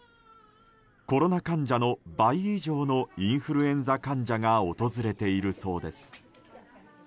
コロナ患者の倍以上のインフルエンザ患者が訪れているそうです。